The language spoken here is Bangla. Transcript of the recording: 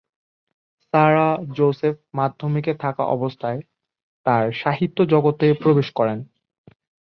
সারা জোসেফ মাধ্যমিকে থাকা অবস্থায় তার সাহিত্য জগতে প্রবেশ করেন।